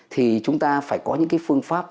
thì chúng ta phải có những phương pháp